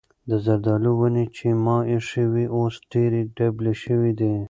د زردالو ونې چې ما ایښې وې اوس ډېرې ډبلې شوې دي.